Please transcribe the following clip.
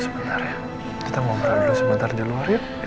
sampai jumpa di video selanjutnya